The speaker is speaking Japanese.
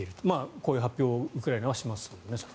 こういう発表をウクライナはしますよね。